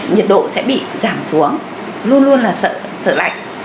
nhiệt độ sẽ bị giảm xuống luôn luôn là sợ lạnh